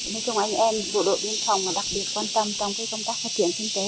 nên trong anh em bộ đội biên phòng đặc biệt quan tâm trong công tác phát triển kinh tế